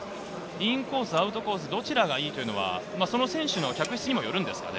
インコース、アウトコース、どちらがいいというのは選手の脚質にもよるんですか？